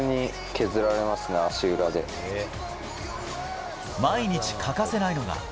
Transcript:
いやぁ、毎日欠かせないのが。